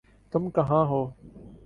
تم کہاں ہو؟